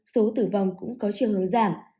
số tử vong cũng có chiều hướng giảm